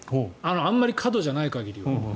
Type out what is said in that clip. あまり過度じゃない限りは。